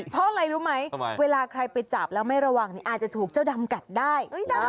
เพราะอะไรรู้ไหมเวลาใครไปจับแล้วไม่ระวังอาจจะถูกเจ้าดำกัดได้